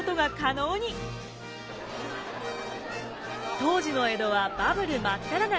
当時の江戸はバブル真っただ中。